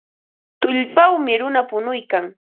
Tullpawmi runa punuykan.